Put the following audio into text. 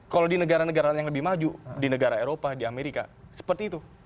kalau di negara negara yang lebih maju di negara eropa di amerika seperti itu